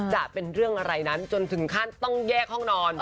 จะเป็นเรื่องอะไรนั้นจนถึงขั้นต้องแยกห้องนอน